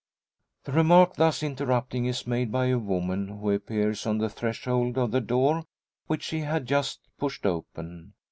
The remark, thus interrupting, is made by a woman, who appears on the threshold of the door, which she had just pushed open.